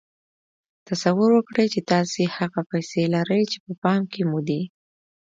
تصور وکړئ چې تاسې هغه پيسې لرئ چې په پام کې مو دي.